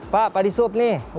pak pak disup nih